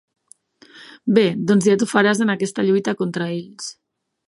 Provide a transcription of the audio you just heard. Bé, doncs ja t'ho faràs en aquesta lluita contra ells.